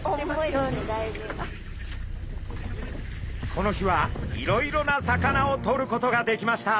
この日はいろいろな魚をとることができました。